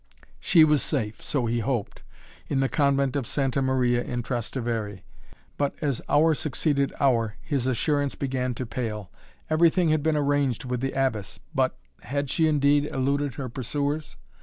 She was safe so he hoped in the Convent of Santa Maria in Trastevere. But, as hour succeeded hour, his assurance began to pale. Everything had been arranged with the Abbess. But had she indeed eluded her pursuers?